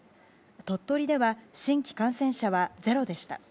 鳥取では新規感染者はゼロでした。